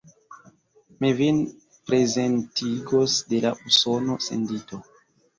Mi vin prezentigos de la Usona sendito.